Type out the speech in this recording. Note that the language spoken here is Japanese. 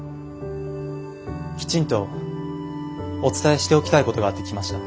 きちんとお伝えしておきたいことがあって来ました。